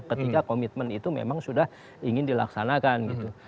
ketika komitmen itu memang sudah ingin dilaksanakan gitu